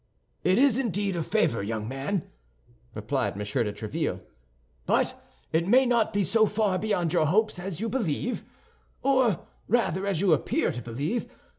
"It is indeed a favor, young man," replied M. de Tréville, "but it may not be so far beyond your hopes as you believe, or rather as you appear to believe.